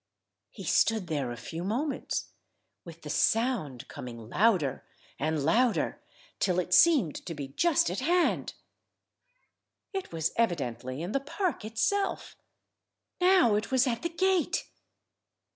He stood there a few moments, with the sound coming louder and louder, till it seemed to be just at hand. It was evidently in the park itself. Now it was at the gate.